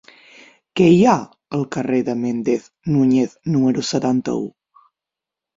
Què hi ha al carrer de Méndez Núñez número setanta-u?